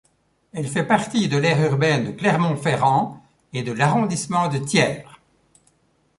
Elle fait partie de l'aire urbaine de Clermont-Ferrand et de l'arrondissement de Thiers.